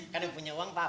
kan dia punya uang papa